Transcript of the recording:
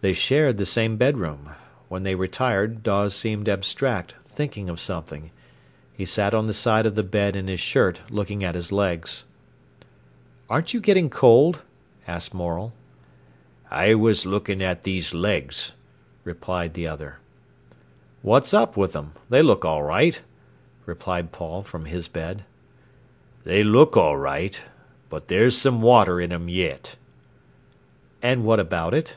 They shared the same bedroom. When they retired Dawes seemed abstract, thinking of something. He sat on the side of the bed in his shirt, looking at his legs. "Aren't you getting cold?" asked Morel. "I was lookin' at these legs," replied the other. "What's up with 'em? They look all right," replied Paul, from his bed. "They look all right. But there's some water in 'em yet." "And what about it?"